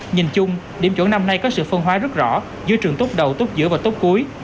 nhìn chung điểm chuẩn năm nay có sự phân hóa rất rõ giữa trường tốt đầu tốt giữa và tốt cuối